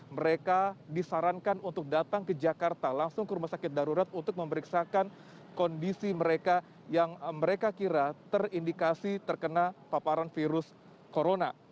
mereka disarankan untuk datang ke jakarta langsung ke rumah sakit darurat untuk memeriksakan kondisi mereka yang mereka kira terindikasi terkena paparan virus corona